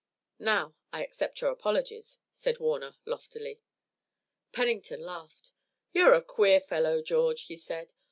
"Now I accept your apologies," said Warner loftily. Pennington laughed. "You're a queer fellow, George," he said.